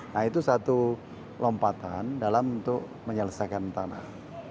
nah itu satu lompatan dalam untuk menyelesaikan tanah